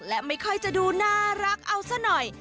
และไม่ค่อยจะดูน่ารักเอาซะหน่อย